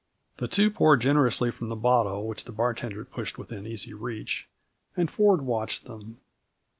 The two poured generously from the bottle which the bartender pushed within easy reach, and Ford watched them.